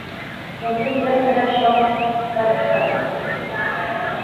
"No podria fer això", va exclamar.